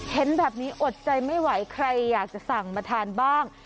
เห็นแบบนี้อดใจไม่ไหวใครอยากจะสั่งมาทานบ้าง